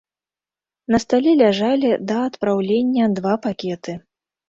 На стале ляжалі да адпраўлення два пакеты.